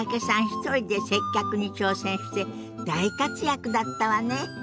一人で接客に挑戦して大活躍だったわね。